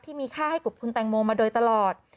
ที่มีค่าให้กับคุณแตงโมมาโดยตลอด